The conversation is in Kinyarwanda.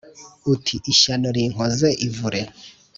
uti: ishyano rinkoze ivure.